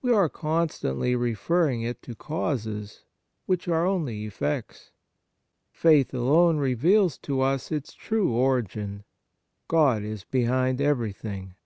We are constantly re ferring it to causes which are only effects. Faith alone reveals to us its true origin. God is behind everything.